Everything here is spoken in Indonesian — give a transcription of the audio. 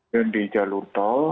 dan di jalur tol